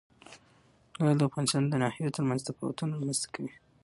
لعل د افغانستان د ناحیو ترمنځ تفاوتونه رامنځ ته کوي.